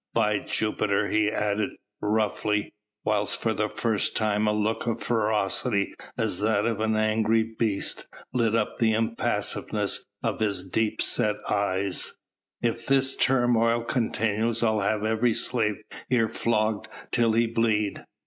By Jupiter!" he added roughly, whilst for the first time a look of ferocity as that of an angry beast lit up the impassiveness of his deep set eyes, "if this turmoil continues I'll have every slave here flogged till he bleed.